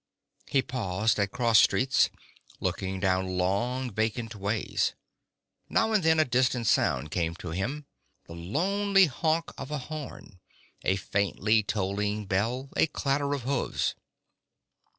He paused at cross streets, looked down long vacant ways. Now and then a distant sound came to him: the lonely honk of a horn, a faintly tolling bell, a clatter of hooves.